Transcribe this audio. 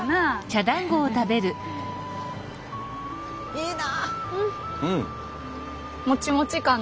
いいな。